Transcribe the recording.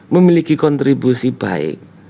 memiliki kontribusi baik